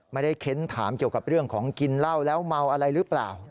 เค้นถามเกี่ยวกับเรื่องของกินเหล้าแล้วเมาอะไรหรือเปล่า